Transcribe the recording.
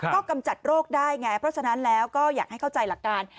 ก็กำจัดโรคได้ไงเพราะฉะนั้นแล้วก็อยากให้เข้าใจหลักการ